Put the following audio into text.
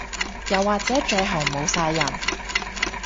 又或者最後冇晒人